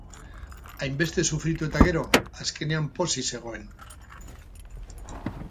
Hainbeste sufritu eta gero, azkenean pozik zegoen.